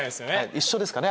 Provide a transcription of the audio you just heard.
一緒ですかね